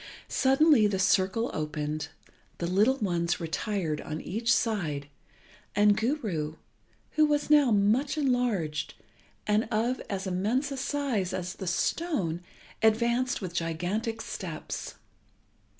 Suddenly the circle opened, the little ones retired on each side, and Guru, who was now much enlarged and of as immense a size as the stone, advanced with gigantic steps.